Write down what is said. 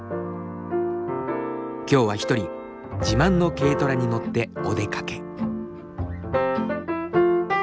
今日は一人自慢の軽トラに乗ってお出かけ。